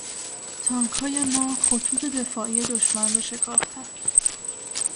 تانکهای ما خطوط دفاعی دشمن را شکافتند.